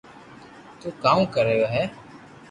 تو ڪاوُ ڪريو ھي